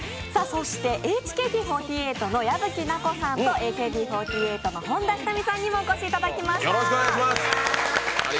そしてＨＫＴ４８の矢吹奈子さんとＡＫＢ４８の本田仁美さんにもお越しいただきました。